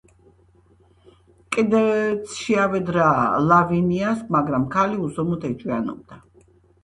კიდეც შეავედრა ლავინიას, მაგრამ ქალი უზომოდ ეჭვიანობდა.